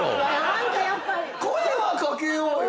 声は掛けようよ。